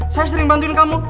saya sering bantuin kamu